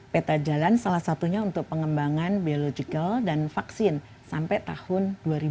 peta jalan salah satunya untuk pengembangan biological dan vaksin sampai tahun dua ribu dua puluh